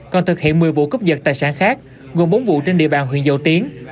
còn thực hiện một mươi vụ cướp dật tài sản khác gồm bốn vụ trên địa bàn huyện dầu tiến